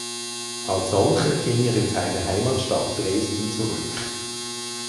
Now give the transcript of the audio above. Als solcher ging er in seine Heimatstadt Dresden zurück.